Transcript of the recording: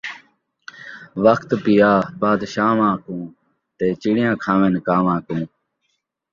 وخت پیا بادشاہواں کوں ، تے چڑیاں کھاون کان٘واں کوں